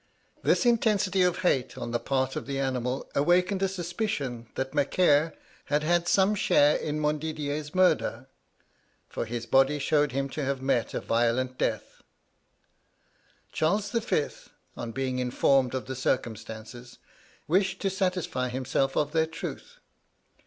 This intensity of hate on the part of the animal awakened a suspicion that Macaire had had some share in Montdidier's murder, for his body showed him to have met a violent death. Charles V., on being informed of the circumstances, wished to satisfy himself of their truth.